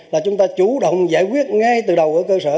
là chúng ta chủ động giải quyết ngay từ đầu ở cơ sở